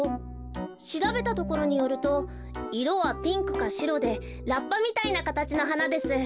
しらべたところによるといろはピンクかシロでラッパみたいなかたちのはなです。